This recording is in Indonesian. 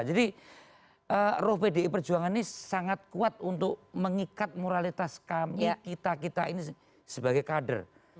jadi roh pdi perjuangan ini sangat kuat untuk mengikat moralitas kami kita kita ini sebagai kader